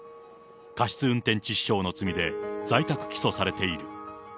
過失運転致死傷の罪で、在宅起訴されている。